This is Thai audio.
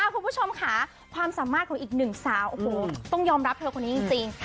ความสามารถของอีกหนึ่งสาวต้องยอมรับเธอคนนี้จริง